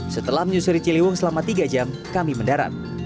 setelah menyusuri ciliwung selama tiga jam kami mendarat